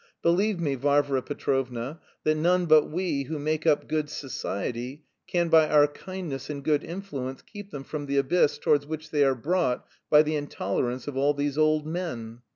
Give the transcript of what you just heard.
Believe me, Varvara Petrovna, that none but we who make up good society can by our kindness and good influence keep them from the abyss towards which they are brought by the intolerance of all these old men.